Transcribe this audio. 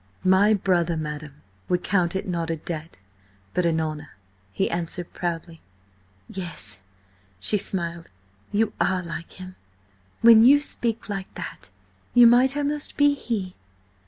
"My brother, madam, would count it not a debt, but an honour," he answered proudly. "Yes," she smiled. "You are like him; when you speak like that you might almost be he."